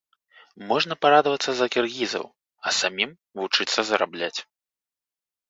Можна парадавацца за кіргізаў, а самім вучыцца зарабляць.